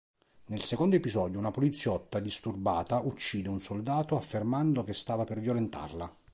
Nel secondo episodio una poliziotta disturbata uccide un soldato affermando che stava per violentarla.